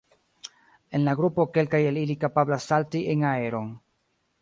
En grupo kelkaj el ili kapablas salti en aeron.